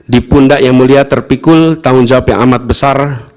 di pundak yang mulia terpikul tanggung jawab yang amat besar